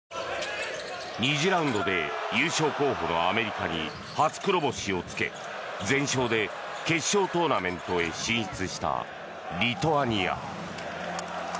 ２次ラウンドで優勝候補のアメリカに初黒星をつけ全勝で決勝トーナメントへ進出したリトアニア。